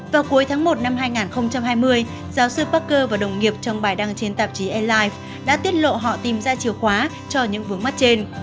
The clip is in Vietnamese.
vào cuối tháng một năm hai nghìn hai mươi giáo sư parker và đồng nghiệp trong bài đăng trên tạp chí airlines đã tiết lộ họ tìm ra chìa khóa cho những vướng mắt trên